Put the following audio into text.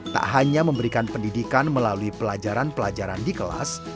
tak hanya memberikan pendidikan melalui pelajaran pelajaran di kelas